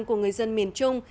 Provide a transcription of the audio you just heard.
của người dân miền trung